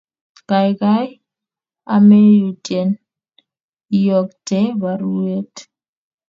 kaikai ameyutyen iyokte baruet